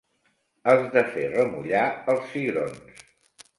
Has de fer remullar els cigrons.